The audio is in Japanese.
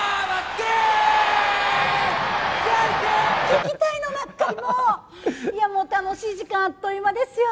聞きたいの何回もいやもう楽しい時間あっという間ですよ